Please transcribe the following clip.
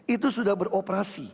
itu sudah beroperasi